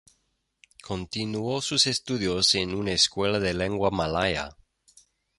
Continuó sus estudios en una escuela de lengua malaya.